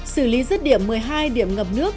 xử lý rứt điểm một mươi hai điểm ngập nước